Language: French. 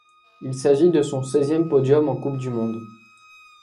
Il s'agit de son seizième podium en Coupe du monde.